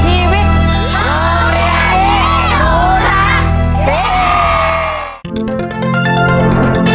พี่เรียนต่อชีวิต